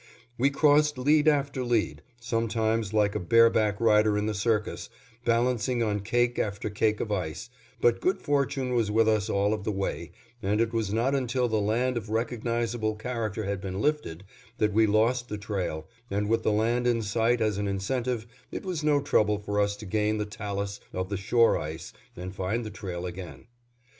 We crossed lead after lead, sometimes like a bare back rider in the circus, balancing on cake after cake of ice, but good fortune was with us all of the way, and it was not until the land of recognizable character had been lifted that we lost the trail, and with the land in sight as an incentive, it was no trouble for us to gain the talus of the shore ice and find the trail again.